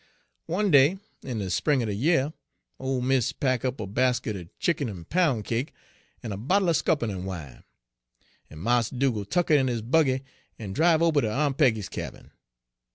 One day in de spring er de year, ole miss pack' up a basket er chick'n en poun' cake, en a bottle er scuppernon' wine, en Mars Dugal' tuk it in his buggy en driv ober ter Aun' Peggy's cabin.